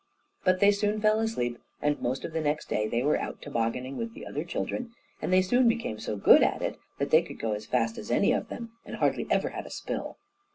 But they soon fell asleep; and most of the next day they were out tobogganing with the other children, and they soon became so good at it that they could go as fast as any of them, and hardly ever had a spill.